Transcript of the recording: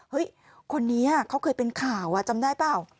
คนนี้เขาเคยเป็นข่าวจำได้เปล่า